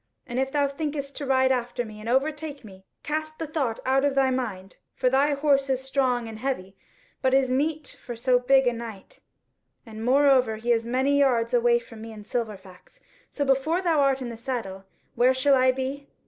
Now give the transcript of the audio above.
And if thou thinkest to ride after me, and overtake me, cast the thought out of thy mind. For thy horse is strong but heavy, as is meet for so big a knight, and moreover he is many yards away from me and Silverfax: so before thou art in the saddle, where shall I be?